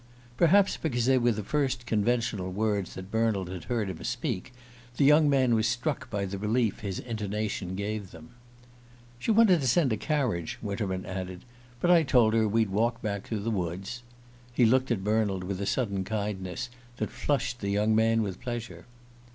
Perhaps because they were the first conventional words that Bernald had heard him speak, the young man was struck by the relief his intonation gave them. "She wanted to send a carriage," Winterman added, "but I told her we'd walk back through the woods." He looked at Bernald with a sudden kindness that flushed the young man with pleasure.